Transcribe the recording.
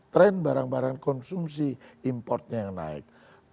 tren barang barang konsumsi importnya yang naik